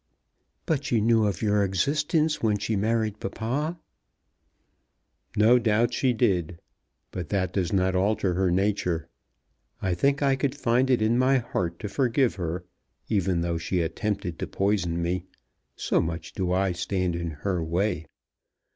"But she knew of your existence when she married papa." "No doubt she did; but that does not alter her nature. I think I could find it in my heart to forgive her, even though she attempted to poison me, so much do I stand in her way.